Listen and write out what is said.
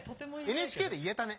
ＮＨＫで言えたね。